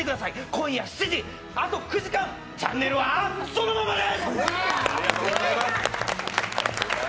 今夜７時、あと９時間、チャンネルはそのままで！